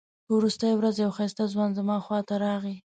په وروستۍ ورځ یو ښایسته ځوان زما خواته راغی.